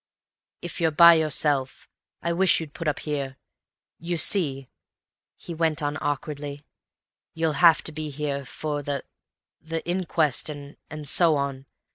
"If you're by yourself, I wish you'd put up here. You see," he went on awkwardly, "you'll have to be here—for the—the inquest and—and so on.